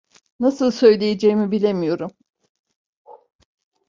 Nasıl söyleyeceğimi bilemiyorum.